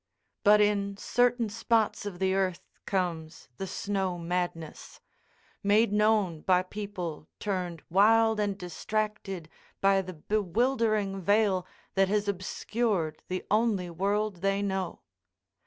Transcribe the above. But in certain spots of the earth comes the snow madness, made known by people turned wild and distracted by the bewildering veil that has obscured the only world they know.